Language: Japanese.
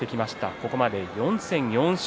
ここまで４戦４勝。